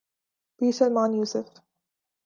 Pir Salman Yusuf.